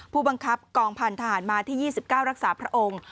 ผู้บังคับกองพันธหารมาที่๒๙รักษาพระองค์